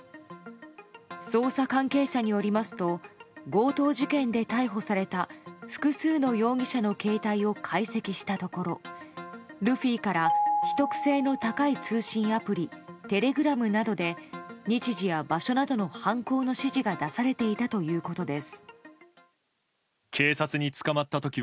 捜査関係者によりますと強盗事件で逮捕された複数の容疑者の携帯を解析したところルフィから秘匿性の高い通信アプリテレグラムなどで日時や場所などの犯行の指示が出されていたということです。